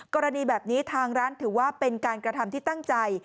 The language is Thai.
กรณีแบบนี้ทางร้านถือว่าเป็นการกระทำที่ตั้งใจ